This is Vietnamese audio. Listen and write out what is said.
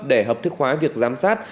để hợp thức hóa việc giám sát